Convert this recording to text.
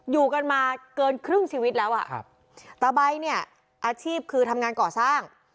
อยู่กันมาเกินครึ่งชีวิตแล้วอ่ะครับตาใบเนี่ยอาชีพคือทำงานก่อสร้าง